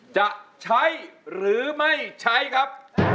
จะใช้หรือไม่ใช้ครับ